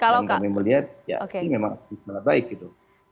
kalau kami melihat ya ini memang baik gitu